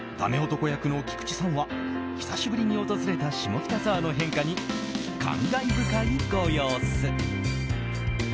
男役の菊池さんは久しぶりに訪れた下北沢の変化に感慨深いご様子。